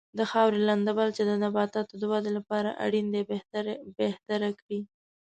د خاورې لنده بل چې د نباتاتو د ودې لپاره اړین دی بهتره کړي.